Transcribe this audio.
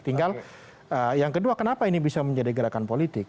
tinggal yang kedua kenapa ini bisa menjadi gerakan politik